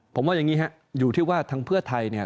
ผมว่าอย่างนี้ฮะอยู่ที่ว่าทางเพื่อไทยเนี่ย